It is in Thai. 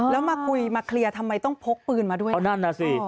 แล้วมาคุยมาเคลียร์ทำไมต้องพกปืนมาด้วยเอานั่นน่ะสิ